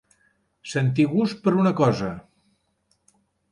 Sentir gust per una cosa.